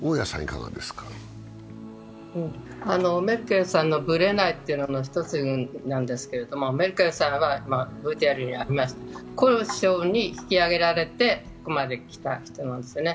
メルケルさんのブレないというのは一つなんですけど、メルケルさんはコールさんに引き上げられてここまで来た人なんですね。